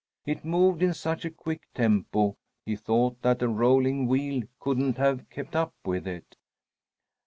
It moved in such a quick tempo he thought that a rolling wheel couldn't have kept up with it.